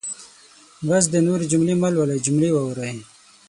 بس دی نورې جملې مهلولئ جملې واورئ.